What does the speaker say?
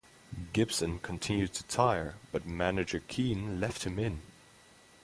Gibson continued to tire, but manager Keane left him in.